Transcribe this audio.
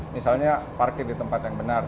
misalnya parkir di tempat yang benar